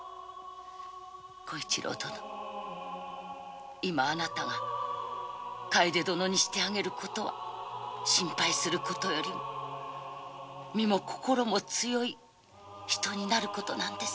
小一郎殿いまのあなたが楓殿にしてあげる事は心配する事よりも身も心も強い人になる事なんですよ。